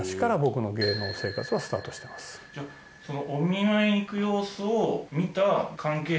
じゃあその。